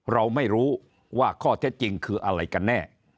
เราไม่รู้ว่าข้อเท็จจริงคืออะไรกันแน่